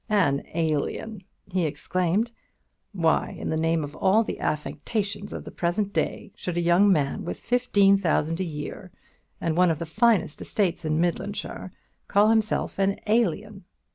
"An alien!" he exclaimed; "why, in the name of all the affectations of the present day, should a young man with fifteen thousand a year, and one of the finest estates in Midlandshire, call himself an alien?